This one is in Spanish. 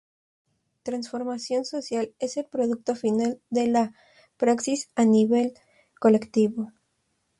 Transformación social es el producto final de la praxis a nivel colectivo.